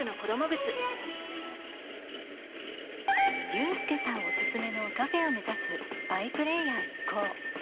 ユースケさんおすすめのカフェを目指すバイプレーヤー一行